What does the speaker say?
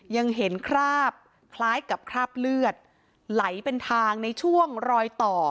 ยังเห็นคราบคล้ายกับคราบเลือดไหลเป็นทางในช่วงรอยต่อ